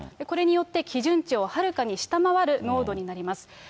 これによって、基準値をはるかに下回る濃度になります。